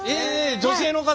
女性の方。